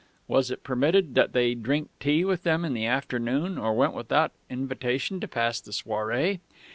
Was it permitted that they drank tea with them in the afternoon, or went without invitation to pass the soirée?...